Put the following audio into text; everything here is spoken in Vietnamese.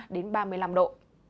đến ba mươi năm độ